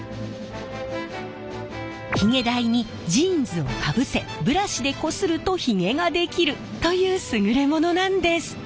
ヒゲ台にジーンズをかぶせブラシでこするとヒゲができるという優れものなんです。